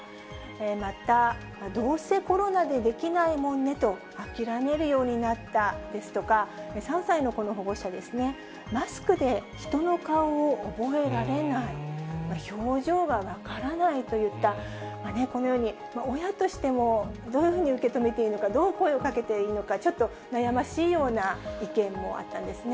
また、どうせコロナでできないもんねと、諦めるようになったですとか、３歳の子の保護者ですね、マスクで人の顔を覚えられない、表情が分からないといった、このように、親としてもどういうふうに受け止めていいのか、どう声をかけていいのか、ちょっと悩ましいような意見もあったんですね。